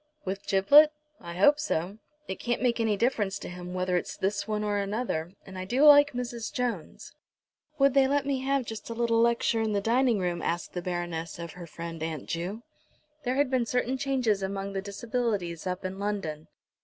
"With Giblet? I hope so. It can't make any difference to him whether it's this one or another, and I do like Mrs. Jones." "Would they let me have just a little lecture in the dining room?" asked the Baroness of her friend, Aunt Ju. There had been certain changes among the Disabilities up in London.